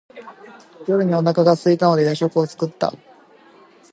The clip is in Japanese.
夜にお腹がすいたので夜食を作った。